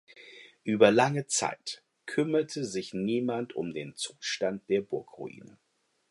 Über lange Zeit kümmerte sich niemand um den Zustand der Burgruine.